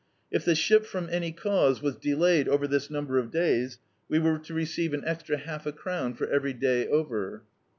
If the ship, from any cause, was delayed over this number of days, we were to re ceive an extra half a crown for every day over.